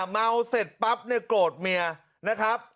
เมาเสร็จปั๊บเนี่ยโกรธเมียนะครับ